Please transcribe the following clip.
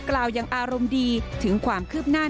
กล่าวยังอารมณ์ดีถึงความคืบหน้า